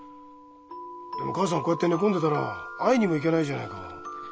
でも母さんこうやって寝込んでたら会いにも行けないじゃないか。